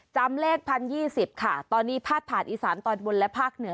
จำเลข๑๐๒๐ค่ะตอนนี้พาดผ่านอีสานตอนบนและภาคเหนือ